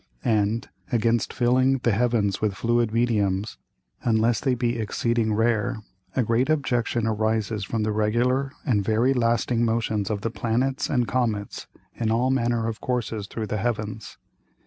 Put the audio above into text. And against filling the Heavens with fluid Mediums, unless they be exceeding rare, a great Objection arises from the regular and very lasting Motions of the Planets and Comets in all manner of Courses through the Heavens.